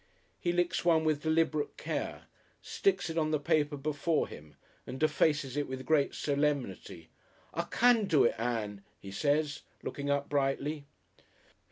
He licks one with deliberate care, sticks it on the paper before him and defaces it with great solemnity. "I can do it, Ann," he says, looking up brightly.